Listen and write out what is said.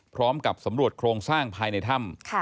พร้อมกับสำรวจโครงสร้างภายในถ้ำ